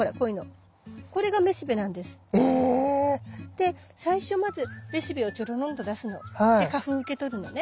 ⁉で最初まずめしべをちょろんと出すの。で花粉受け取るのね。